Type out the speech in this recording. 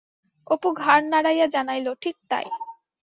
অপু ঘাড় নাড়াইয়া জানাইল, ঠিক তাই।